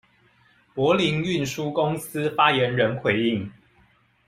柏林運輸公司發言人則回應：